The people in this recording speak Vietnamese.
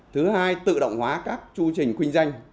thứ hai tự động hóa các chưu trình khuyên danh